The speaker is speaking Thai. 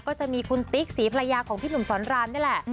ก็จะมีคุณติ๊กศรีภรรยาของพี่หนุ่มสอนรามนี่แหละ